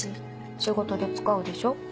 仕事で使うでしょ。